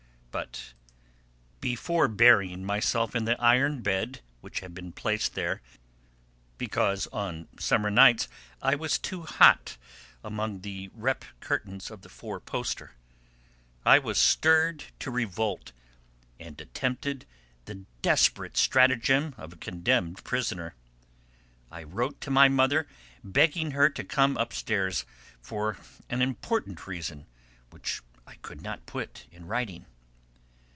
But before burying myself in the iron bed which had been placed there because, on summer nights, I was too hot among the red curtains of the four poster, I was stirred to revolt, and attempted the desperate stratagem of a condemned prisoner. I wrote to my mother begging her to come upstairs for an important reason which I could not put in writing.